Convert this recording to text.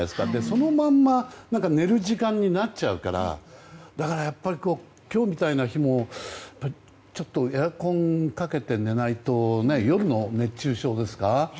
そのまま寝る時間になっちゃうから今日みたいな日もエアコンをかけて寝ないと夜の熱中症ですか？